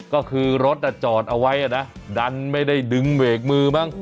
ก็คือรถจอดเอาไว้นะดันไม่ได้ดึงเบรกมือมั้ง